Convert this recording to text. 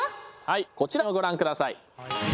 はいこちらをご覧ください。